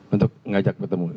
untuk mengajak bertemu